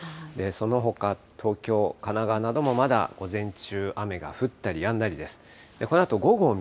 そのほか東京、神奈川などもまだ午前中、雨が降ったりやんだりです。